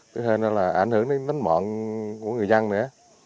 thứ hai là ảnh hưởng đến tính mọn của người dân nữa